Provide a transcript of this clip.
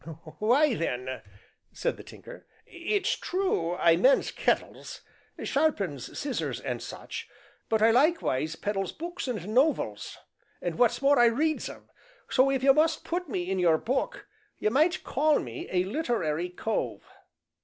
"Why then," said the Tinker, "it's true I mends kettles, sharpens scissors and such, but I likewise peddles books an' nov els, an' what's more I reads 'em so, if you must put me in your book, you might call me a literary cove."